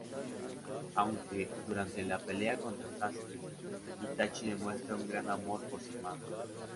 Aunque, durante la pelea contra Sasuke, Itachi demuestra un gran amor por su hermano.